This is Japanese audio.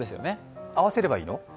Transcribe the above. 合わせればいいの？